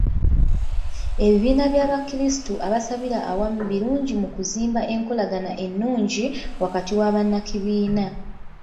Ebibiina by'Abakirisitu abasabira awamu birungi mu kuzimba enkolagana ennungi wakati wa bannakibiina.